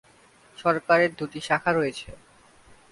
সরকারের দুটি শাখা রয়েছে।